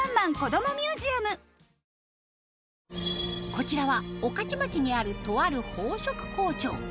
こちらは御徒町にあるとある宝飾工場